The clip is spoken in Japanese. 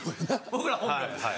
僕ら本名です。